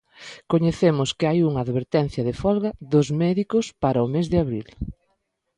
Coñecemos que hai unha advertencia de folga dos médicos para o mes de abril.